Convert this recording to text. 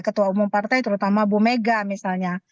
ketua umum partai terutama bu mega misalnya